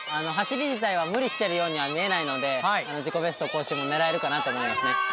走り自体は無理してるようには見えないので自己ベスト更新も狙えるかなと思いますね